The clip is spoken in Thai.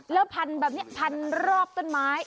แล้วพันแบบนี้พันรอบต้นไม้